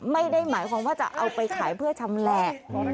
ไม่ได้หมายความว่าจะเอาไปขายเพื่อชำแหละ